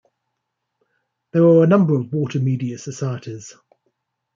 There are a number of Watermedia societies.